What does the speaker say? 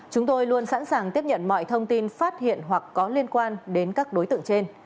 chúng tôi luôn sẵn sàng tiếp nhận mọi thông tin phát hiện hoặc có liên quan đến các đối tượng trên